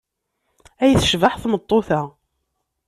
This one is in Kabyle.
Ay tecbeḥ tmeṭṭut-a!